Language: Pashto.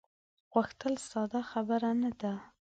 غوښتل ساده خبره نه ده.